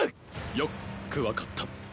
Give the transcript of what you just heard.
よっく分かった。